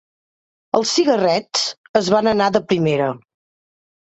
Els cigarrets ens van anar de primera.